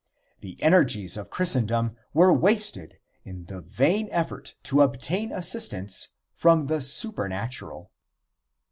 The energies of Christendom were wasted in the vain effort to obtain assistance from the supernatural.